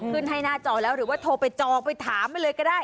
ขึ้นให้หน้าจอแล้วหรือว่าโทรไปจองไปถามไปเลยก็ได้